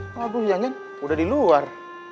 waduh hujannya udah di luar